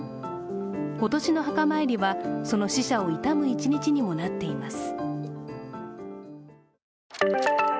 今年の墓参りを、その死者を悼む一日にもなっています。